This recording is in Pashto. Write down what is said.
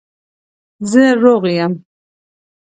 زه روغ یم